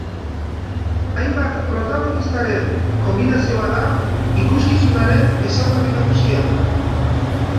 Hainbat protagonistaren konbinazioa da ikuskizunaren ezaugarri nagusia.